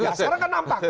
ya sekarang kan nampak